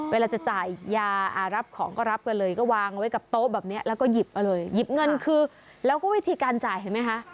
เวลาจะจ่ายยารับของก็รับกันเลยก็วางไว้กับโต๊ะแบบนี้แล้วก็หยิบมาเลยหยิบเงินคือแล้วก็วิธีการจ่ายเห็นไหมคะ